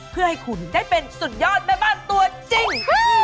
เพื่อให้คุณได้เป็นสุดยอดแม่บ้านตัวจริง